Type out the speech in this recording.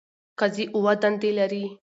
قاضی اووه دندې لري.